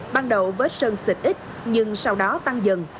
ban đầu vết sơn xịt ít nhưng sau đó tăng dần